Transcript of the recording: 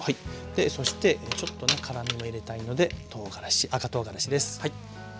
でそしてちょっとね辛みも入れたいのでとうがらし赤とうがらしです。